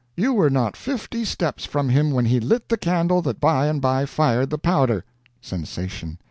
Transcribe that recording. You were not fifty steps from him when he lit the candle that by and by fired the powder!" (Sensation.)